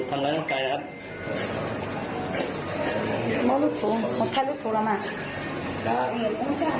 มกลิ่นของหลูกชูหลูกชูละมาก